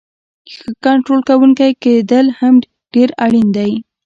ښه کنټرول کوونکی کیدل هم ډیر اړین دی.